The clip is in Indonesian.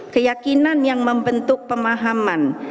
keyakinan yang membentuk pemahaman